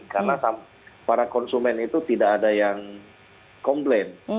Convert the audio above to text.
karena para konsumen itu tidak ada yang komplain